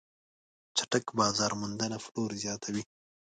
چټک بازار موندنه پلور زیاتوي.